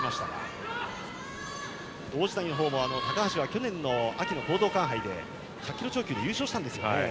高橋は去年の秋の講道館杯で１００キロ超級で優勝したんですね。